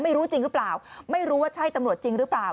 ไม่รู้จริงหรือเปล่าไม่รู้ว่าใช่ตำรวจจริงหรือเปล่า